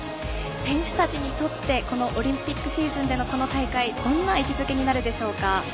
選手たちにとってこのオリンピックシーズンでのこの大会どんな位置づけになるでしょうか。